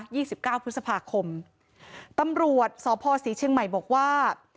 สิบเก้าพฤษภาคมตำรวจสพศรีเชียงใหม่บอกว่า